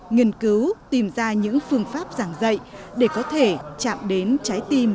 nghiên cứu tìm ra những phương pháp giảng dạy để có thể chạm đến trái tim